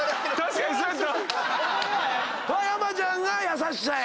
それは山ちゃんが優しさや。